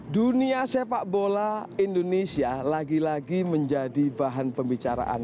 dunia sepak bola indonesia lagi lagi menjadi bahan pembicaraan